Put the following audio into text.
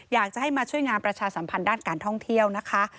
อยากจะให้มาช่วยงานประชาสัมพันธ์ด้านการท่องเที่ยวนะคะ